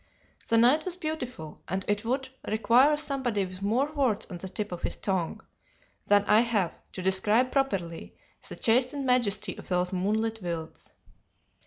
The night was beautiful, and it would require somebody with more words on the tip of his tongue than I have to describe properly the chastened majesty of those moonlit wilds.